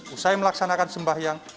usai melaksanakan sembahyang